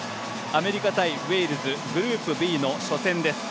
アメリカ対ウェールズグループＢの初戦です。